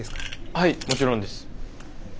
はいもちろんです。